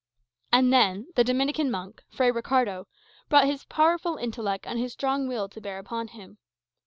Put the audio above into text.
And then the Dominican monk, Fray Ricardo, brought his powerful intellect and his strong will to bear upon him.